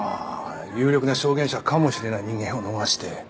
有力な証言者かもしれない人間を逃して。